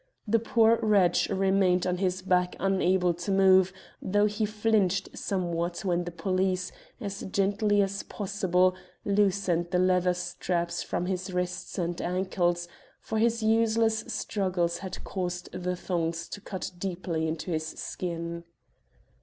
The poor wretch remained on his back unable to move, though he flinched somewhat when the police, as gently as possible, loosened the leather straps from his wrists and ankles, for his useless struggles had caused the thongs to cut deeply into his skin.